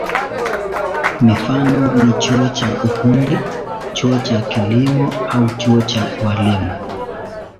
Mifano ni chuo cha ufundi, chuo cha kilimo au chuo cha ualimu.